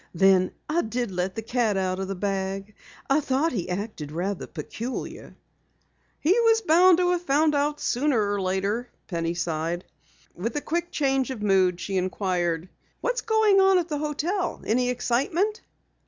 Then I did let the cat out of the bag. I thought he acted rather peculiar." "He was bound to have found out about it sooner or later," Penny sighed. With a quick change of mood she inquired: "What's doing down at the hotel? Any excitement?"